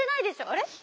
あれ？